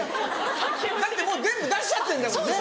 だってもう全部出しちゃってんだもんね。